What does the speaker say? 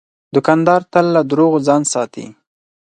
دوکاندار تل له دروغو ځان ساتي.